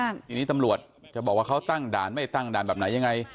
ทีนี้ตำรวจจะบอกว่าเขาตั้งด่านไม่ตั้งด่านแบบไหนยังไง